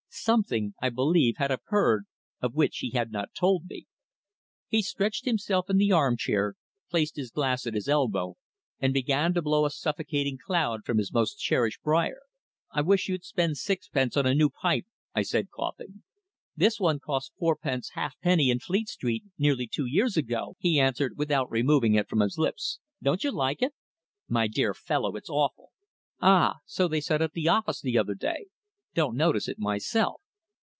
Something, I believed, had occurred of which he had not told me. He stretched himself in the armchair, placed his glass at his elbow, and began to blow a suffocating cloud from his most cherished briar. "I wish you'd spend sixpence on a new pipe," I said, coughing. "This one cost fourpence halfpenny in Fleet Street nearly two years ago," he answered, without removing it from his lips. "Don't you like it?" "My dear fellow, it's awful." "Ah! So they said at the office the other day. Don't notice it myself."